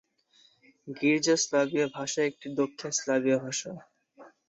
গির্জা স্লাভীয় ভাষা একটি দক্ষিণ স্লাভীয় ভাষা।